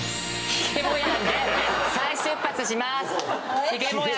ひげもやんで再出発します！